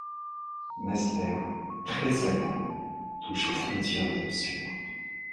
Mesmer tressaillant touche aux frontières obscures ;